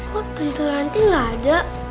kok tentu nanti gak ada